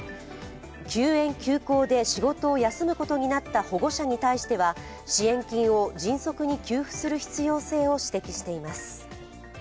休園・休校で仕事を休むことになった保護者に対しては支援金を迅速に給付する必要性を指摘しています。